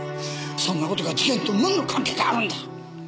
そんなことが事件と何の関係があるんだ！